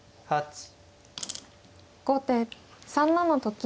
後手３七と金。